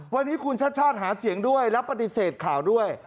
วันนี้คุณชัดหาเสียงด้วยรับปฏิเสธข่าวด้วย